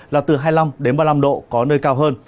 là từ hai mươi năm đến ba mươi năm độ có nơi cao hơn